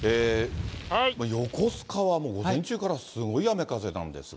横須賀はもう午前中からすごい雨、風なんですが。